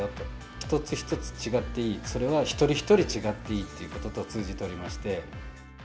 １つ１つ違っていい、それは、一人一人違っていいっていうことと通じておりまして。